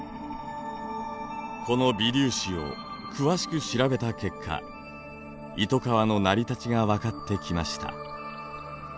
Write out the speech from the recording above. この微粒子を詳しく調べた結果イトカワの成り立ちがわかってきました。